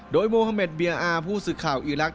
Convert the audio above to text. โดยโมฮาเมดเบียอาร์ผู้สื่อข่าวอีลักษ